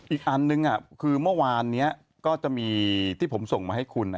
อีกอันนึงคือเมื่อวานนี้ก็จะมีที่ผมส่งมาให้คุณ